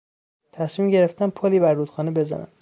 تصمیم گرفتند پلی بر رودخانه بزنند.